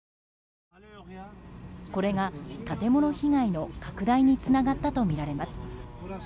これが建物被害の拡大につながったとみられます。